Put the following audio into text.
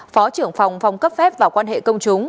phó trưởng phòng phòng cấp phép và quan hệ công chúng